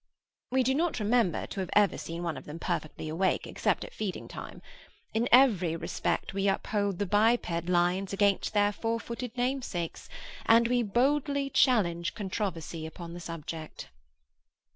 We do not remember to have ever seen one of them perfectly awake, except at feeding time. In every respect we uphold the biped lions against their four footed namesakes, and we boldly challenge controversy upon the subject.